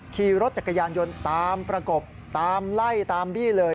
ขี่รถจักรยานยนต์ตามประกบตามไล่ตามบี้เลย